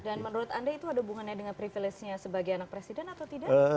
dan menurut anda itu ada hubungannya dengan privilege nya sebagai anak presiden atau tidak